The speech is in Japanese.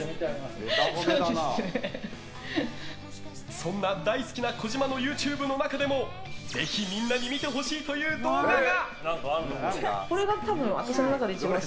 そんな大好きな児嶋のＹｏｕＴｕｂｅの中でもぜひみんなに見てほしいという動画が。